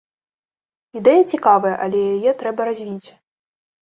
Ідэя цікавая, але яе трэба развіць.